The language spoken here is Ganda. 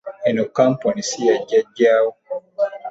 Eno kkampuni siya jjajja wo.